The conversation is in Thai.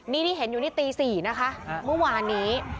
นี่ที่เห็นอยู่นี่ตี๔นะคะเมื่อวานนี้